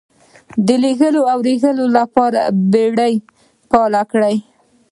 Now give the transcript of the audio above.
د لېږد رالېږد لپاره بېړۍ فعالې کړې.